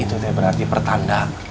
itu dia berarti pertanda